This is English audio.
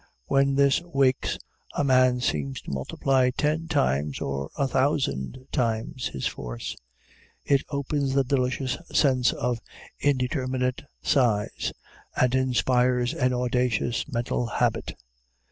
When this wakes, a man seems to multiply ten times or a thousand times his force. It opens the delicious sense of indeterminate size, and inspires an audacious mental habit.